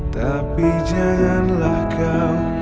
tapi janganlah kau